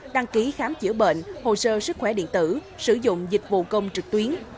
đăng ký khám chữa bệnh hồ sơ sức khỏe điện tử sử dụng dịch vụ công trực tuyến